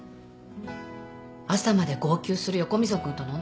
朝まで号泣する横溝君と飲んだっけ。